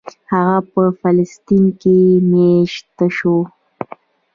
هغه په فلسطین کې مېشت شو.